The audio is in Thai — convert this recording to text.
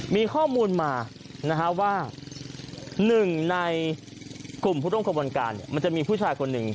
มีข้อมูลมานะฮะว่าหนึ่งในกลุ่มผู้ร่วมขบวนการมันจะมีผู้ชายคนหนึ่ง